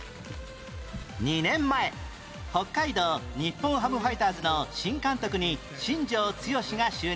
２年前北海道日本ハムファイターズの新監督に新庄剛志が就任